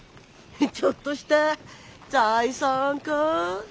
ちょっとした財産家。